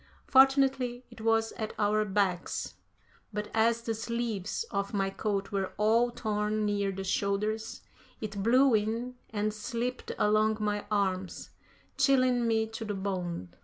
Fortunately, it was at our backs, but as the sleeves of my coat were all torn near the shoulders, it blew in and slipped along my arms, chilling me to the bone.